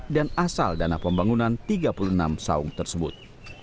dan asal dana pembangunan tiga puluh enam saung tersebut